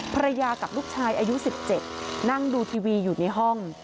ภรรยากับลูกชายอายุ๑๗นั่งดูทีวีอยู่ในห้อง